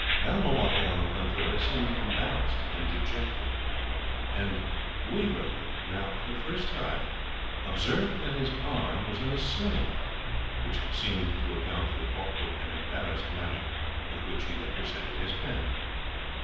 Balmawhapple, on the contrary, seemed embarrassed and dejected; and Waverley now, for the first time, observed that his arm was in a sling, which seemed to account for the awkward and embarrassed manner with which he had presented his hand.